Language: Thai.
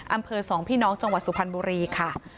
อำเภอสองพี่น้องจังหวัดสุพรรณบุรีค่ะ